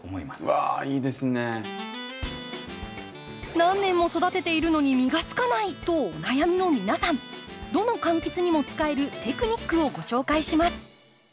何年も育てているのに実がつかないとお悩みの皆さんどの柑橘にも使えるテクニックを紹介します。